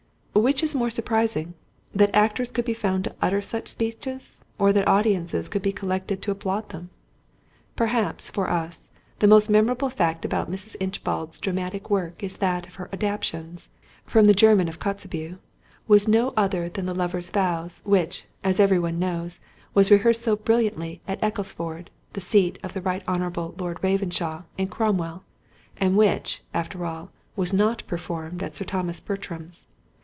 Which is the more surprising—that actors could be found to utter such speeches, or that audiences could be collected to applaud them? Perhaps, for us, the most memorable fact about Mrs. Inchbald's dramatic work is that one of her adaptations (from the German of Kotzebue) was no other than that Lovers' Vows which, as every one knows, was rehearsed so brilliantly at Ecclesford, the seat of the Right Hon. Lord Ravenshaw, in Cornwall, and which, after all, was not performed at Sir Thomas Bertram's.